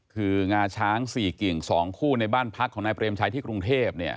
คืองาช้างสี่กิ่งสองคู่ในบ้านพักของนายเปรมชัยที่กรุงเทพ